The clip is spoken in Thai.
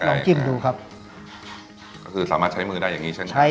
ลองกินดูครับก็คือสามารถใช้มือได้อย่างงี้ใช่ไหมใช่